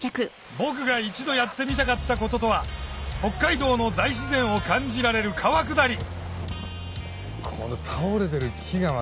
僕が一度やってみたかったこととは北海道の大自然を感じられる川下り！